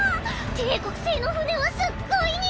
帝国製の船はすっごいニャ！